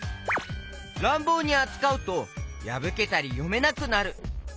らんぼうにあつかうとやぶけたりよめなくなる。